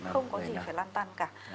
không có gì phải lan tàn cả